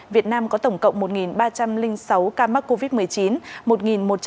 việt nam có tổng cộng một ba trăm linh sáu ca mắc covid một mươi chín